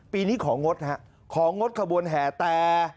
ปีนี้ของดนะของดกระบวนแห่แต่